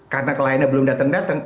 karena kliennya belum datang datang